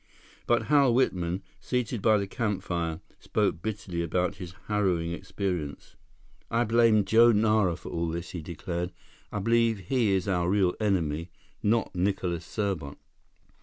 But Hal Whitman, seated by the campfire, spoke bitterly about his harrowing experience. "I blame Joe Nara for all this," he declared. "I believe he is our real enemy, not Nicholas Serbot."